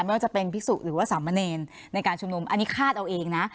ไม่ว่าจะเป็นพิสุหรือว่าสามเณรในการชุมนุมอันนี้คาดเอาเองนะ